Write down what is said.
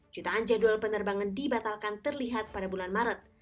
jutaan jadwal penerbangan dibatalkan terlihat pada bulan maret